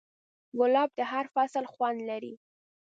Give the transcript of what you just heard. ګلاب د هر فصل خوند لري.